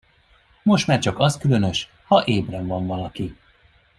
Most már csak az különös, ha ébren van valaki.